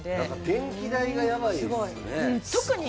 電気代がやばいですよね。